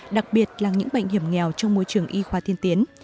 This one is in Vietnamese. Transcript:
đặc biệt là những bệnh hiểm nghèo trong môi trường y khoa tiên tiến